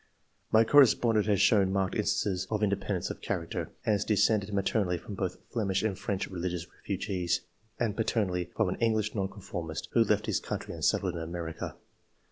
[My correspondent has shown marked instances of independence of character. II.] QUALITIES, 133 and is descended maternally from both Flemish and French religious refugees, and paternally from an English Nonconformist, who left his country and settled in America.